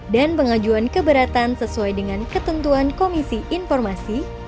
dan pengajuan keberatan sesuai dengan ketentuan komisi informasi